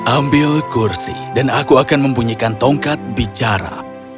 ambil kursi dan aku akan membunyikan tongkat bicara